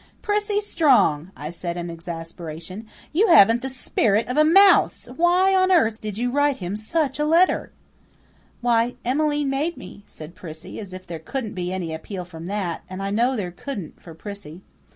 "Prissy Strong," I said in exasperation, "you haven't the spirit of a mouse! Why on earth did you write him such a letter?" "Why, Emmeline made me," said Prissy, as if there couldn't be any appeal from that; and I knew there couldn't for Prissy.